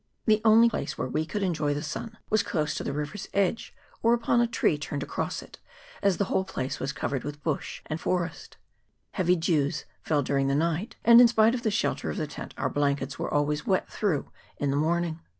The only place VOL. I. G 82 THE VALLEY OF [PART I. where we could enjoy the sun was close to the river's edge, or upon a tree turned across it, as the whole place was covered with bush and forest. Heavy dews fell during the night, and in spite of the shelter of the tent our blankets were always wet through in the morning.